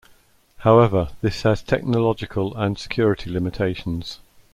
However, this has technological and security limitations.